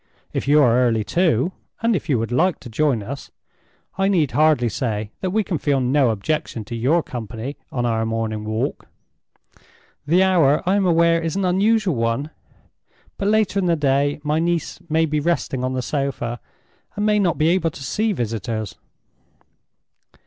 If you are early, too, and if you would like to join us, I need hardly say that we can feel no objection to your company on our morning walk. The hour, I am aware, is an unusual one—but later in the day my niece may be resting on the sofa, and may not be able to see visitors."